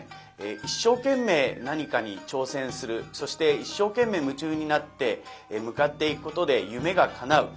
一生懸命何かに挑戦するそして一生懸命夢中になって向かっていくことで夢がかなう。